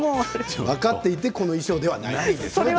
分かっていてこの衣装ではないです。